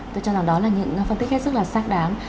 tôi cho rằng đó là những phân tích rất là sắc đáng